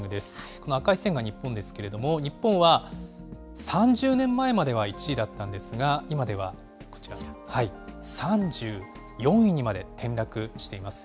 この赤い線が日本ですけれども、日本は、３０年前までは、１位だったんですが、今ではこちら、３４位にまで転落しています。